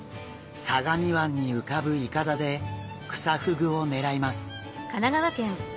相模湾に浮かぶいかだでクサフグを狙います。